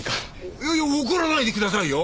いやいや怒らないでくださいよ。